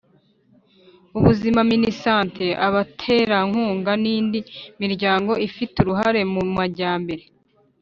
ubuzima minisante abaterankunga n'indi miryango ifite uruhare mu majyambere